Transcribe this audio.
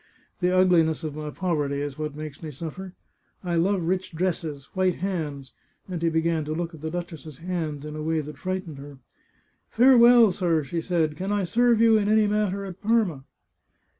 The ugliness of my poverty is what makes me suffer. I love rich dresses, white hands "— and he began to look at the duchess's hands in a way that frightened her. " Farewell, sir," she said. " Can I serve you in any mat ter at Parma?"